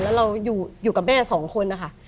แล้วเราอยู่กับแม่สองคนนะคะ